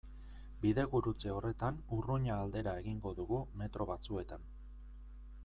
Bidegurutze horretan Urruña aldera egingo dugu metro batzuetan.